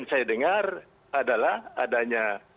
kita ingat turn